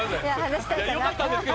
よかったんですが。